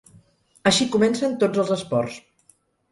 Així comencen tots els esports.